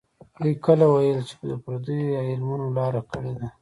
دوی کله ویل چې پردیو علمونو لاره کړې ده.